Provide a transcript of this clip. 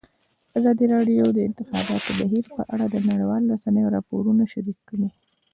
ازادي راډیو د د انتخاباتو بهیر په اړه د نړیوالو رسنیو راپورونه شریک کړي.